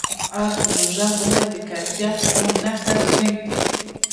هر پروژه باید د کیفیت نښه پرېږدي.